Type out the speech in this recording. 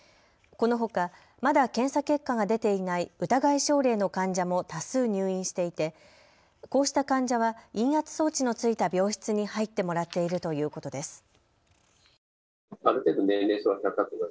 このほか、まだ検査結果が出ていない疑い症例の患者も多数入院していてこうした患者は陰圧装置のついた病室に入ってもらっているということです。